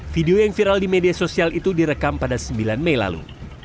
video yang viral di media sosial itu direkam pada sembilan mei lalu